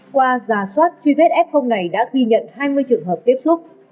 qua giả soát truy vết f này đã ghi nhận hai mươi trường hợp tiếp xúc